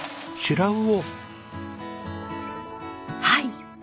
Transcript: はい。